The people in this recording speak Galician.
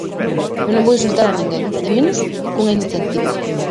Eu non vou insultar a ninguén, e menos cunha iniciativa.